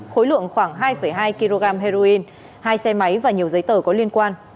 khối lượng khoảng hai hai kg heroin hai xe máy và nhiều giấy tờ có liên quan